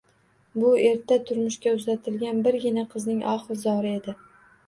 Bu erta turmushga uzatilgan birgina qizning ohu zori edi